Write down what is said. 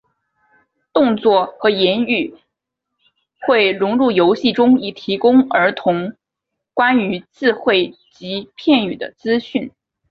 动作和言语会融入游戏中以提供儿童关于字汇及片语的资讯。